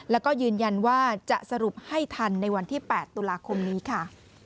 แล้วก็ยืนยันว่าจะสรุปให้ทันในวันที่๘ตุลาคมนี้ค่ะ